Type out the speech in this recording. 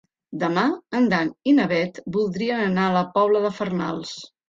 Demà en Dan i na Bet voldrien anar a la Pobla de Farnals.